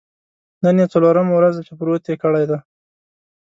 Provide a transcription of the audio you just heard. نن یې څلورمه ورځ ده چې پروت یې کړی دی.